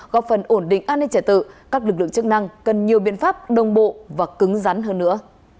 góp phần ổn định an ninh trả tự các lực lượng chức năng cần nhiều biện pháp đồng bộ và cứng rắn hơn nữa